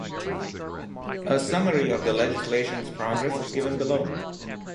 A summary of the legislation's progress is given below.